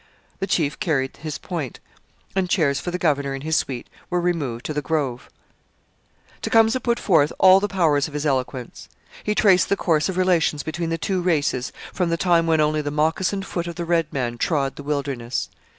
The chief carried his point, and chairs for the governor and his suite were removed to the grove. Tecumseh put forth all the powers of his eloquence. He traced the course of relations between the two races from the time when only the moccasined foot of the red man trod the wilderness.